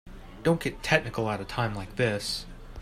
Don't get technical at a time like this.